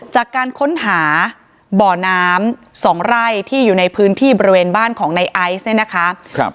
จากการค้นหาบ่อน้ำสองไร่ที่อยู่ในพื้นที่บริเวณบ้านของในไอซ์เนี่ยนะคะ